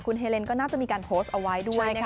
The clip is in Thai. คุณเฮเลนก็น่าจะมีการโพสต์เอาไว้ด้วยนะคะ